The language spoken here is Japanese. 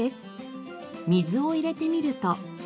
水を入れてみると。